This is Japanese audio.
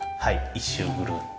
一周ぐるっと。